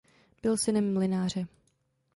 Byl synem mlynáře.